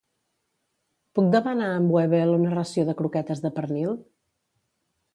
Puc demanar amb Webel una ració de croquetes de pernil?